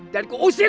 dan kau usir